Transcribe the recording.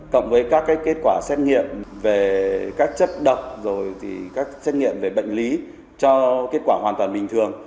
cộng với các kết quả xét nghiệm về các chất độc rồi các xét nghiệm về bệnh lý cho kết quả hoàn toàn bình thường